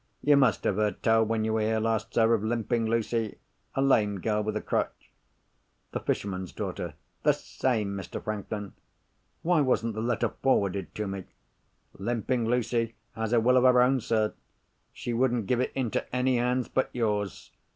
You must have heard tell, when you were here last, sir, of Limping Lucy—a lame girl with a crutch." "The fisherman's daughter?" "The same, Mr. Franklin." "Why wasn't the letter forwarded to me?" "Limping Lucy has a will of her own, sir. She wouldn't give it into any hands but yours.